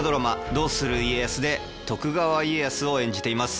「どうする家康」で徳川家康を演じています